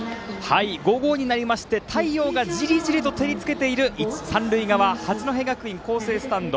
午後になりまして太陽がじりじりと照りつけている三塁側八戸学院光星スタンド。